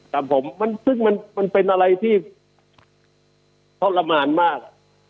ครับผมซึ่งมันเป็นอะไรที่ทรมานมาก